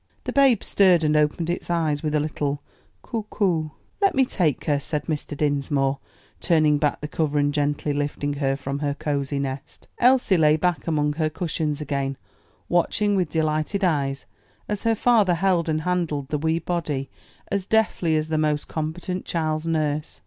The babe stirred, and opened its eyes with a little, "Coo, coo." "Let me take her," said Mr. Dinsmore, turning back the cover and gently lifting her from her cozy nest. Elsie lay back among her cushions again, watching with delighted eyes as her father held and handled the wee body as deftly as the most competent child's nurse.